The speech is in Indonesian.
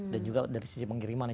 dan juga dari sisi pengiriman ya